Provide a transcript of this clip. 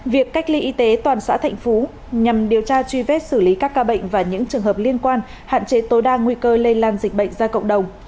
việc cách ly y tế toàn xã thạnh phú nhằm điều tra truy vết xử lý các ca bệnh và những trường hợp liên quan hạn chế tối đa nguy cơ lây lan dịch bệnh ra cộng đồng